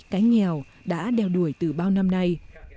cánh nghèo đã đeo đuổi từ bao năm nay